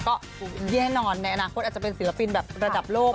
ก็แน่นอนในอนาคตอาจจะเป็นศิลปินแบบระดับโลก